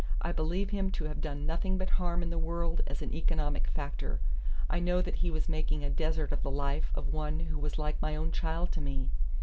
I believe him to have done nothing but harm in the world as an economic factor. I know that he was making a desert of the life of one who was like my own child to me.